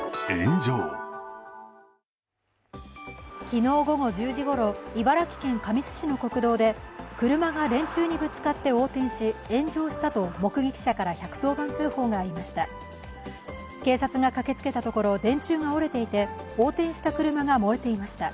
昨日午後１０時ごろ茨城県神栖市の国道で車が電柱にぶつかって横転し、炎上したと目撃者から１１０番通報がありました。